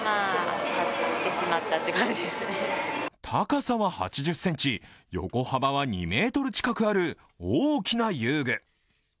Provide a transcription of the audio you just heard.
高さは８０ｃｍ、横幅は２ｍ近くある大きな遊具。